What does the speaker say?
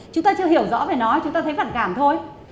chúng ta chưa hiểu rõ về nói chúng ta thấy phản cảm thôi